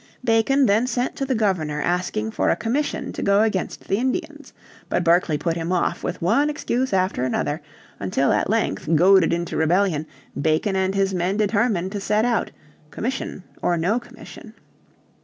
Bacon then sent to the Governor asking for a commission to go against the Indians. But Berkeley put him off with one excuse after another; until at length goaded into rebellion Bacon and his men determined to set out, commission or no commission.